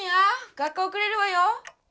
学校おくれるわよ？